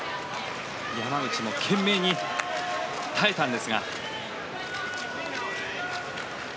山口も懸命に耐えたんですが。